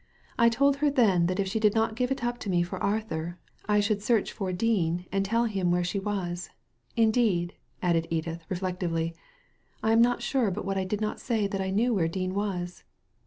I told her then that if she did not give it up to me for Arthur, I should search for Dean and tell him where she was. Indeed," added Edith, reflec tively, " I am not sure but what I did not say that I knew where Dean was."